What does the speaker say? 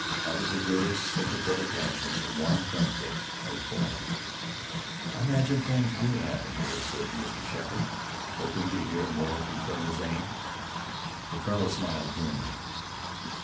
Out of the girlish sympathetic action a warm friendship was born. "I imagine things do happen here," said Mr. Sheppard, hoping to hear more from Colonel Zane. The colonel smiled grimly.